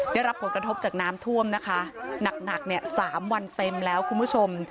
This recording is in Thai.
ได้รับผลกระทบจากน้ำท่วมนะคะหนักหนักเนี่ย๓วันเต็มแล้วคุณผู้ชม